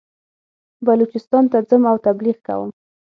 بلوچستان ته ځم او تبلیغ کوم.